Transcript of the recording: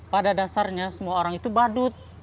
pada dasarnya semua orang itu badut